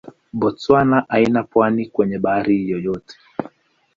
Botswana haina pwani kwenye bahari yoyote.